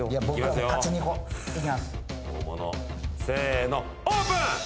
せーのオープン！